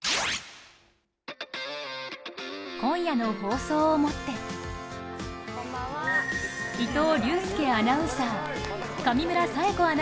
今夜の放送をもって伊藤隆佑アナウンサー、上村彩子